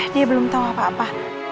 dia belum tahu apa apa